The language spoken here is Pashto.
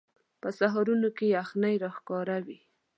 په سهارونو کې یخنۍ راښکاره وي